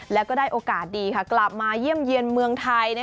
แล้วก็ได้โอกาสดีกลับมาเยี่ยมเยี่ยมเมืองไทย